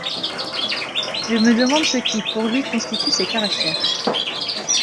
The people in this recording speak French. Je me demande ce qui, pour lui, constitue ces caractères.